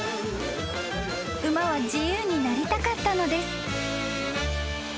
［馬は自由になりたかったのです］